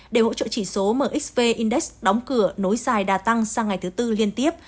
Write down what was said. đều hỗ trợ chỉ số mxv index đóng cửa nối dài đa tăng sang ngày thứ tư liên tiếp